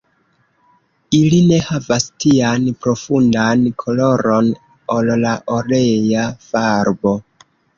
Ili ne havas tian profundan koloron ol la olea farbo.